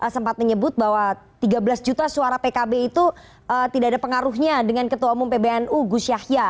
sempat menyebut bahwa tiga belas juta suara pkb itu tidak ada pengaruhnya dengan ketua umum pbnu gus yahya